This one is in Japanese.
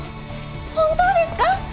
本当ですか？